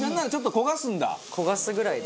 焦がすぐらいで。